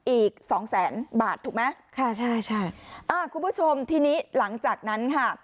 อีกสองแสนบาทถูกไหมค่ะใช่ใช่อ่าคุณผู้ชมทีนี้หลังจากนั้นค่ะ